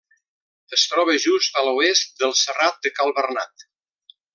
Es troba just a l'oest del Serrat de Cal Bernat.